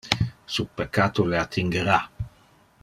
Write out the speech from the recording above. Su peccato le attingera.